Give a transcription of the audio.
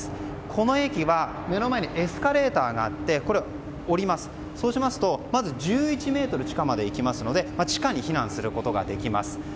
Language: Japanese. この駅は目の前にエスカレーターがあってこれを下りますとまず１１ｍ地下まで行けますので地下に避難することができます。